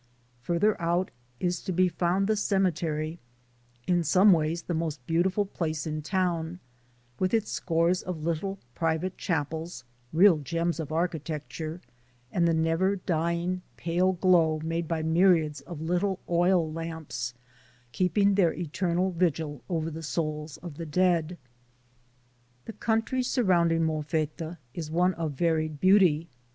Farther out is to be found the cemetery, in some ways the most beautiful place in town, with its scores of little private chapels, real gems of architecture, and the never dying pale glow made by myriads of little oil lamps, keeping their eternal vigil over the souls of the dead. The country surrounding Molfetta is one of varied beauty.